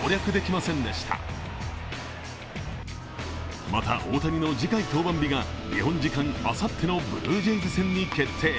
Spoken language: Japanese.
また、大谷の次回登板日が日本時間あさってのブルージェイズ戦に決定。